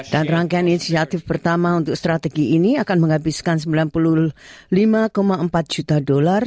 dan rangkaian inisiatif pertama untuk strategi ini akan menghabiskan sembilan puluh lima empat juta dolar